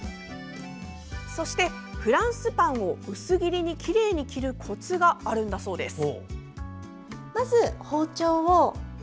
そして、フランスパンを薄切りにきれいに切るコツがあるんだそうです。